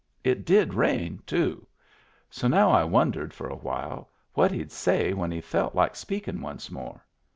It did rain, too. So now I won dered for a while what he'd say when he felt like speakin' once more.